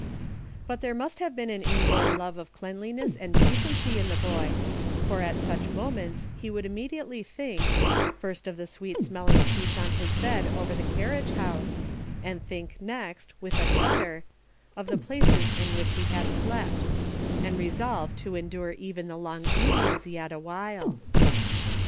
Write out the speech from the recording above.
But there must have been an inborn love of cleanliness and decency in the boy, for at such moments he would immediately think, first of the sweet smelling sheets on his bed over the carriage house, and think next, with a shudder, of the places in which he had slept ; and resolve to en dure even the long evenings yet a while.